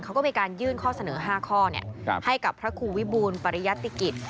เขาก็มีการยื่นข้อเสนอ๕ข้อให้กับพระครูวิบูลปริยติกิจ